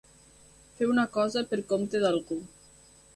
Fer una cosa pel compte d'algú.